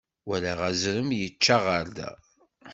Walaɣ azrem yečča aɣerda.